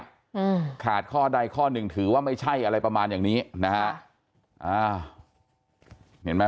อืมขาดข้อใดข้อหนึ่งถือว่าไม่ใช่อะไรประมาณอย่างนี้นะฮะอ่าเห็นไหม